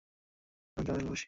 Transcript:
আমি তোমায় ভালোবাসি, সার্সি।